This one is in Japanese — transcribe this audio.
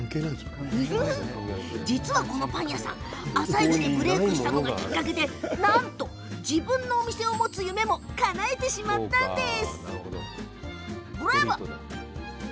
実はこのパン屋さん、朝市でブレイクしたのがきっかけでなんと自分のお店を持つ夢もかなえてしまったんです。